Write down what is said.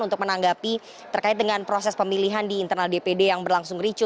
untuk menanggapi terkait dengan proses pemilihan di internal dpd yang berlangsung ricu